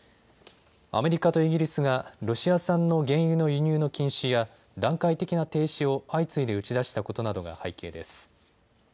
アメリカとイギリスがロシア産の原油の輸入の禁止や段階的な停止を相次いで打ち出したことなどが背景です。